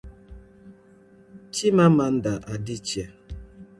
Chimamanda Adịchie